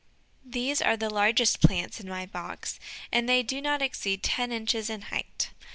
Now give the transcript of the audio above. These are the largest plants in my box, and they do not exceed ten inches in height.